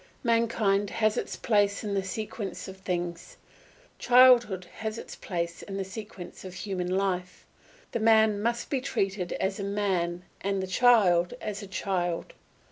Mankind has its place in the sequence of things; childhood has its place in the sequence of human life; the man must be treated as a man and the child as a child.